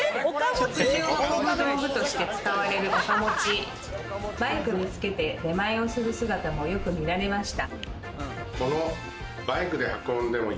出前の道具として使われる岡持ち、バイクに付けて出前をする姿も、よく見られました。